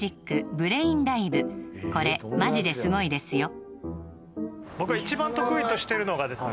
これマジですごいですよ